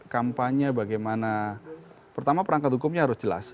kampanye bagaimana pertama perangkat hukumnya harus jelas